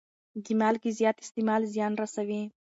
د مالګې زیات استعمال زیان رسوي.